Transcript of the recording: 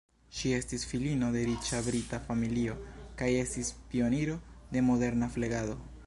Ŝi estis filino de riĉa brita familio kaj estis pioniro de moderna flegado.